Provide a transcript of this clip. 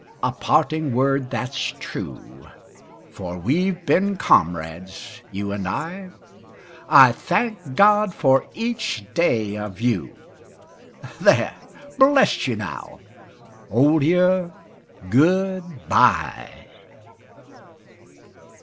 a parting word that's true, For we've been comrades, you and I I THANK GOD FOR EACH DAY OF YOU; There! bless you now! Old Year, good bye!